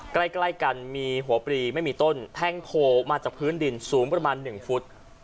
ใกล้กันมีหัวปรีไม่มีต้นแทงโผล่มาจากพื้นดินสูงประมาณ๑ฟุต